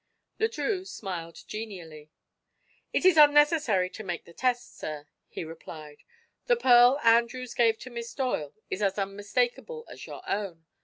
Le Drieux smiled genially. "It is unnecessary to make the test, sir," he replied. "The pearl Andrews gave to Miss Doyle is as unmistakable as your own.